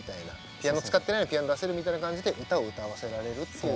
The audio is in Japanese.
ピアノ使ってないのにピアノ出せるみたいな感じで歌を歌わせられるっていう。